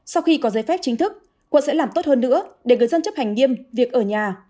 sau khi có giấy phép chính thức quận sẽ làm tốt hơn nữa để người dân chấp hành nghiêm việc ở nhà